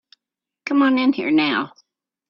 Come on in here now.